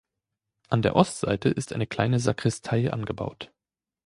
An der Ostseite ist eine kleine Sakristei angebaut.